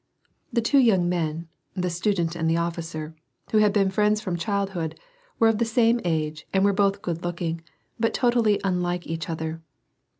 The two young men, the student and the officer, who had been friends from childhood, were of the same age and were both good looking, but totally unlike each other.